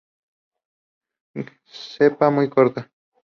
Cepa muy corta.